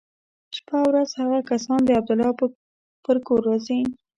شپه او ورځ هغه کسان د عبدالله پر کور را ګرځي.